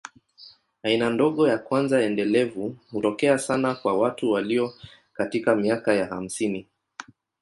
Aina ndogo ya kwanza endelevu hutokea sana kwa watu walio katika miaka ya hamsini.